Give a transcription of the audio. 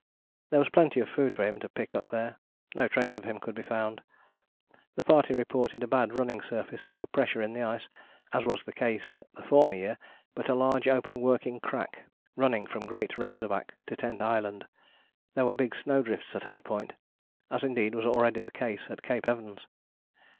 There was plenty of food for him to pick up there. No trace of him could be found. The party reported a bad running surface, no pressure in the ice, as was the case the former year, but a large open working crack running from Great Razorback to Tent Island. There were big snowdrifts at Hut Point, as indeed was already the case at Cape Evans.